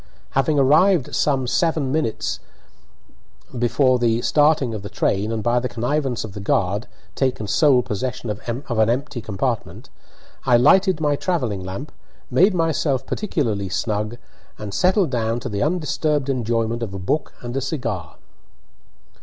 Having arrived some seven minutes before the starting of the train, and, by the connivance of the guard, taken sole possession of empty compartment, I lighted my travelling lamp, made myself particularly snug, and settled down to the undisturbed enjoyment of a book and a cigar.